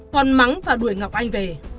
còn mắng và đuổi ngọc anh về